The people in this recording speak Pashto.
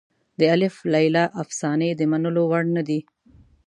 د الف لیله افسانې د منلو وړ نه دي.